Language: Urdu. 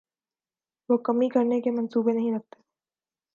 وہ کمی کرنے کے منصوبے نہیں رکھتے ہیں